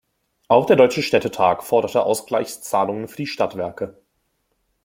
Auch der Deutsche Städtetag forderte Ausgleichszahlungen für die Stadtwerke.